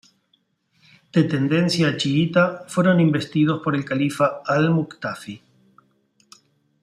De tendencia chiita, fueron investidos por el califa Al-Muqtafi.